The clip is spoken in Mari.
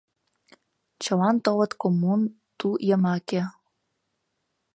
Чылан толыт коммун ту йымаке.